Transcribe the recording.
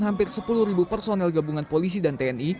hampir sepuluh personel gabungan polisi dan tni